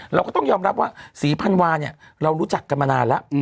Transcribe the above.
เราก็ต้องยอมรับว่าศีรภัณฑนเนเรารู้จักกันมานานละ